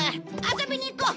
遊びに行こう！